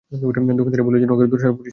দোকানদারের ভুলের জন্য ওকে দোষারোপ করিস না!